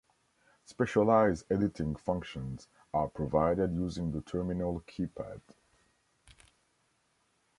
Specialized editing functions are provided using the terminal keypad.